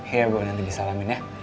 iya bu nanti disalamin ya